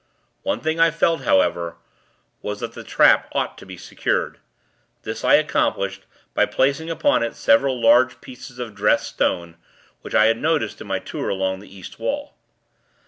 One thing I felt, however, was that the trap ought to be secured. This, I accomplished by placing upon it several large pieces of 'dressed' stone, which I had noticed in my tour along the East wall.